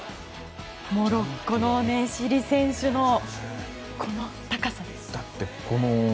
モロッコの選手のこの高さです。